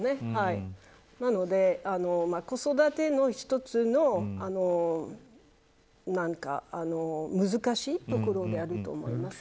なので、子育ての１つの難しいところであると思います。